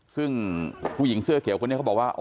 ซึ่งผู้หญิงเสื้อเขียวคนนี้เขาบอกว่า